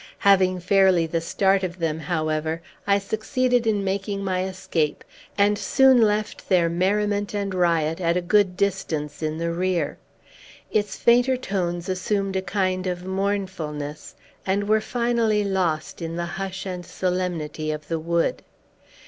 Having fairly the start of them, however, I succeeded in making my escape, and soon left their merriment and riot at a good distance in the rear. Its fainter tones assumed a kind of mournfulness, and were finally lost in the hush and solemnity of the wood.